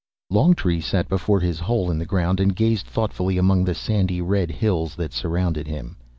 Longtree sat before his hole in the ground and gazed thoughtfully among the sandy red hills that surrounded him.